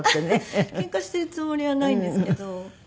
ケンカしているつもりはないんですけど。